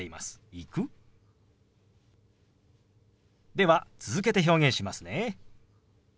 では続けて表現しますね。